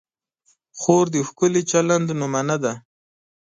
خور د ښکلي چلند نمونه ده.